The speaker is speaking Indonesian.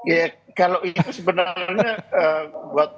ya kalau itu sebenarnya